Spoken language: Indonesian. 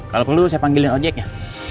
kalau perlu saya panggilin ojeknya